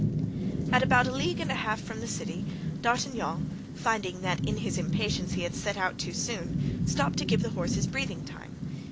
At about a league and a half from the city, D'Artagnan, finding that in his impatience he had set out too soon, stopped to give the horses breathing time.